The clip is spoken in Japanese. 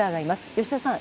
吉田さん